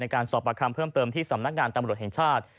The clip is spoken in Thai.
การสอบประคำเพิ่มเติมที่สำนักงานตำรวจแห่งชาติ